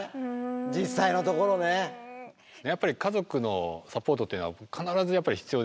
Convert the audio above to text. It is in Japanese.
やっぱり家族のサポートっていうのは必ず必要ですね。